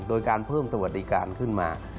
โดยการเพิ่มสวัสดิการขึ้นมา